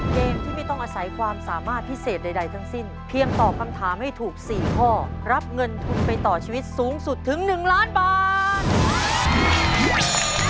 เกมที่ไม่ต้องอาศัยความสามารถพิเศษใดทั้งสิ้นเพียงตอบคำถามให้ถูก๔ข้อรับเงินทุนไปต่อชีวิตสูงสุดถึง๑ล้านบาท